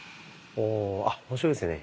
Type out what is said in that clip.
あ面白いですね。